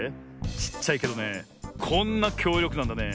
ちっちゃいけどねこんなきょうりょくなんだね。